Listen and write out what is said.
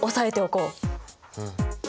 うん。